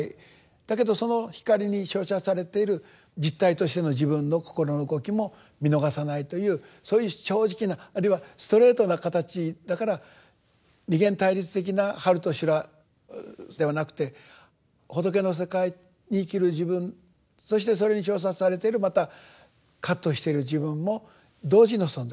だけどその光に照射されている実体としての自分の心の動きも見逃さないというそういう正直なあるいはストレートな形だから二元対立的な「春」と「修羅」ではなくて仏の世界に生きる自分そしてそれに照射されているまた葛藤している自分も同時の存在。